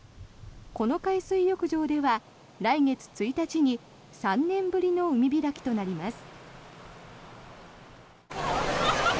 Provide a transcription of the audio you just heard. この海水浴場では来月１日に３年ぶりの海開きとなります。